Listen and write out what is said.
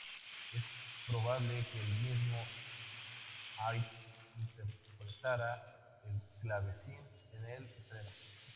Es probable que el mismo Haydn interpretara el clavecín en el estreno.